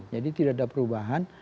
jadi tidak ada perubahan